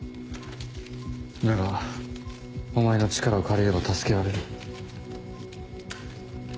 だがお前の力を借りれば助けられる。